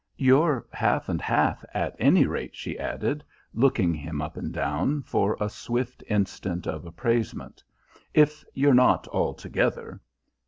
"You're half and half, at any rate," she added, looking him up and down for a swift instant of appraisement, "if you're not altogether."